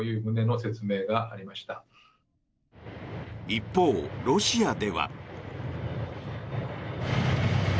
一方、ロシアでは。